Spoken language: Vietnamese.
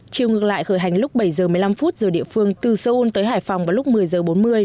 chiều ngược lại khởi hành lúc bảy giờ một mươi năm phút giờ địa phương từ seoul tới hải phòng vào lúc một mươi giờ bốn mươi